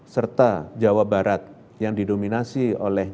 serta jawa barat yang didominasi oleh